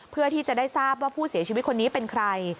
เพื่อที่จะได้ทราบว่าผู้เสียชีวิตคนนี้เป็นใคร